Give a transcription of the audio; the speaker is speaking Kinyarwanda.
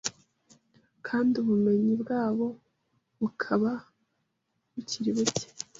kandi ubumenyi bwabo bukaba bukiri buke